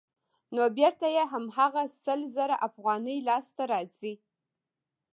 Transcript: نو بېرته یې هماغه سل زره افغانۍ لاسته راځي